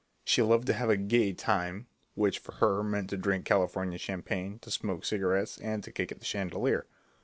She loved to have a "gay" time, which for her meant to drink California champagne, to smoke cigarettes, and to kick at the chandelier.